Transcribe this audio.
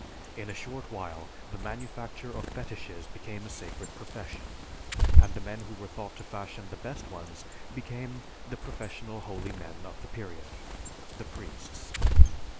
In a short while the manufacture of fetishes became a sacred profession, and the men who were thought to fashion the best ones became the professional holy men of the period, the priests.